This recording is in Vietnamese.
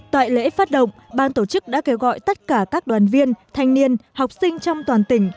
tại lễ phát động ban tổ chức đã kêu gọi tất cả các đoàn viên thanh niên học sinh trong toàn tỉnh